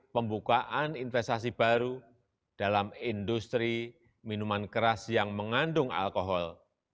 pembukaan investasi baru dalam industri minuman keras yang mengandung alkohol